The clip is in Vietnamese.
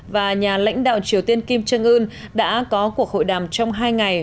và nhà lãnh đạo triều tiên kim trương ưn đã có cuộc hội đàm trong hai ngày